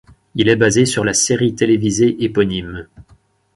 Il est basé sur la série télévisée éponyme.